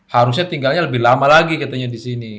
harusnya tinggalnya lebih lama lagi katanya di sini